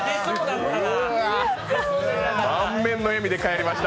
満面の笑みで帰りました。